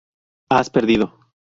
Has perdido.